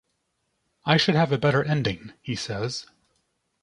'I should have a better ending,' he says.